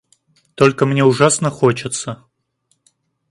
Только мне ужасно хочется.